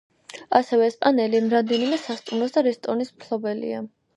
ასევე ესპანელი რამდენიმე სასტუმროს და რესტორნის მფლობელია.